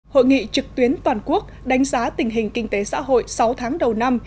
hội nghị trực tuyến toàn quốc đánh giá tình hình kinh tế xã hội sáu tháng đầu năm